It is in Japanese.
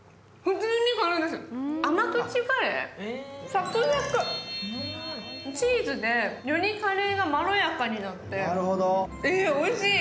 サクサク、チーズでよりカレーがまろやかになっておいしい。